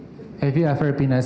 saya juga pernah